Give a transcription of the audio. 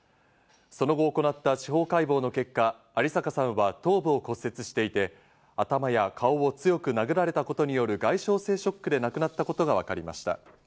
その後行った司法解剖の結果、有坂さんは頭部を骨折していて、頭や顔を強く殴られたことによる外傷性ショックで亡くなったことがわかりました。